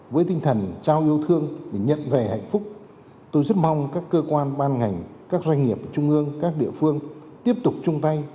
với tinh thần trao yêu thương để nhận về hạnh phúc tôi rất mong các cơ quan ban ngành các doanh nghiệp trung ương các địa phương tiếp tục chung tay